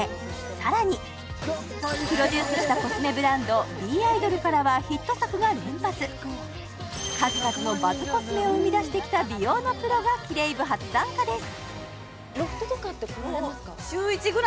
さらにプロデュースしたコスメブラントｂｉｄｏｌからはヒット作が連発数々のバズコスメを生み出してきた美容のプロがキレイ部初参加です